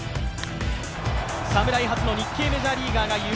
侍初の夢の日系メジャーリーガーです。